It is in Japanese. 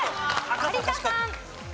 有田さん。